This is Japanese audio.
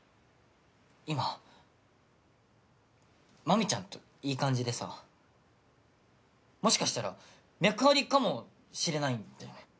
今麻美ちゃんといい感じでさもしかしたら脈ありかもしれないんだよね